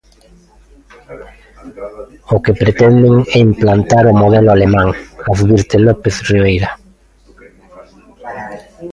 "O que pretenden é implantar o 'modelo alemán'", advirte López Riveira.